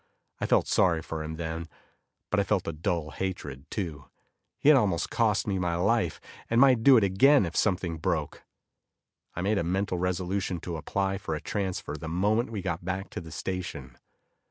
I felt sorry for him then, but I felt a dull hatred, too. He had almost cost me my life, and might do it again if something broke. I made a mental resolution to apply for a transfer the moment we got back to the station.